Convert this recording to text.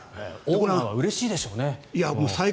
オーナーはうれしいでしょうね。